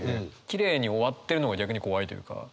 きれいに終わってるのが逆に怖いというか。